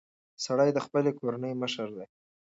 سړی د خپلې کورنۍ مشر دی.